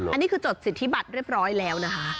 อันนี้คือจดสิทธิบัตรเรียบร้อยแล้วนะคะ